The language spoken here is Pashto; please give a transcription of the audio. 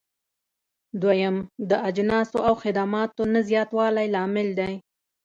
دويم: د اجناسو او خدماتو نه زیاتوالی لامل دی.